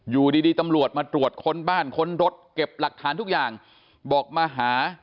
อยู่ดีตำรวจมาตรวจค้นบ้านค้นรถเก็บหลักฐานทุกอย่างบอกมาหา